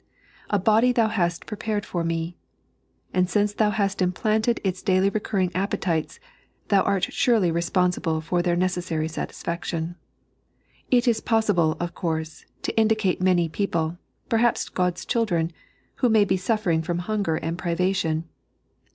"A body Thou hart prepared for me "; and since Thou hast implanted its daily recurring appetites, Thou art surely responsible for their neceeaaiy satisfaction. It is possible, of coarse, to indicate many people — perhaps God's children — who may be suffering from hunger and privation.